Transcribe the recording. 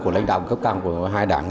của lãnh đạo cấp càng của hai đảng